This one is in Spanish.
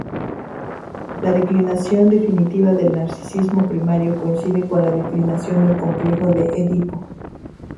La declinación definitiva del narcisismo primario coincide con la declinación del complejo de Edipo.